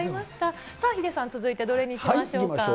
さあ、ヒデさん、続いてどれいきましょう。